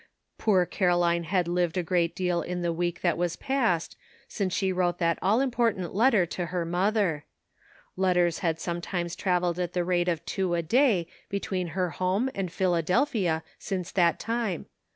Poor Caroline had lived a great deal in the week that was passed, since she wrote that all important letter to her mother. Letters had sometimes traveled at the rate of two a day between her home and Philadelphia since that time.